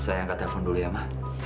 saya angkat telepon dulu ibu